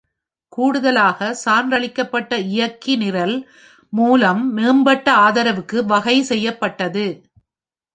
கூடுதலாக, சான்றளிக்கப்பட்ட இயக்கி நிரல் மூலம் மேம்பட்ட ஆதரவுக்கு வகை செய்யப்பட்டது.